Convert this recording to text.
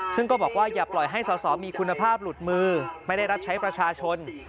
ซึ่งก็บอกว่าอย่าปล่อยให้สอสอมีคุณภาพหลุดมือไม่ได้รับใช้ประชาชน